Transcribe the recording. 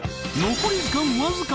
［残り時間わずか。